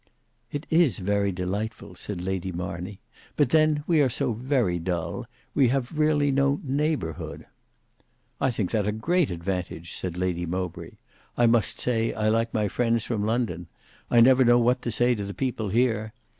"It is very delightful," said Lady Marney, "but then we are so very dull; we have really no neighbourhood." "I think that such a great advantage," said Lady Mowbray: "I must say I like my friends from London. I never know what to say to the people here.